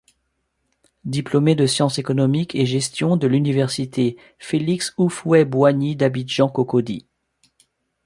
Diplômée de sciences économiques et gestion de l'Université Félix Houphouët Boigny d'Abidjan-Cocody.